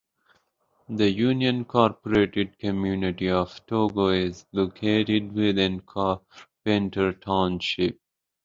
The unincorporated community of Togo is located within Carpenter Township.